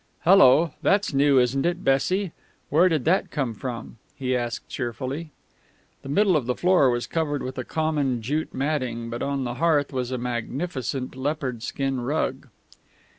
"Hallo, that's new, isn't it, Bessie? Where did that come from?" he asked cheerfully. The middle of the floor was covered with a common jute matting, but on the hearth was a magnificent leopard skin rug.